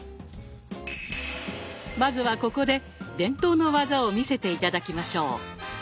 まずはここで伝統の技を見せて頂きましょう。